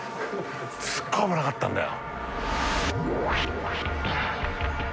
すごい危なかったんだよ。